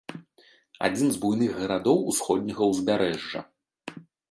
Адзін з буйных гарадоў ўсходняга ўзбярэжжа.